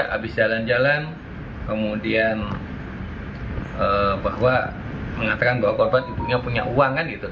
habis jalan jalan kemudian bahwa mengatakan bahwa korban ibunya punya uang kan gitu